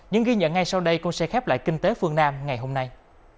những ghi nhận ngay sau đây cũng sẽ khép lại kinh tế phương nam ngày hôm nay